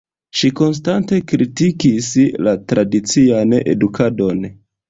Ŝi konstante kritikis la tradician edukadon.